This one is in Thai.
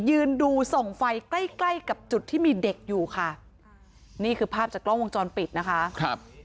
ยืนดูส่องไฟใกล้ใกล้กับจุดที่มีเด็กอยู่ค่ะนี่คือภาพจากกล้องวงจรปิดนะคะครับ